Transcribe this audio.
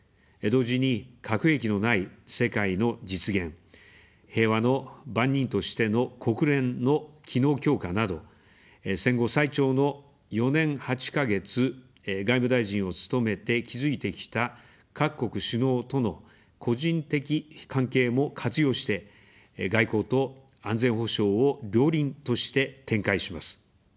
同時に、核兵器のない世界の実現、平和の番人としての国連の機能強化など、戦後最長の４年８か月、外務大臣を務めて築いてきた各国首脳との個人的関係も活用して、外交と安全保障を両輪として展開します。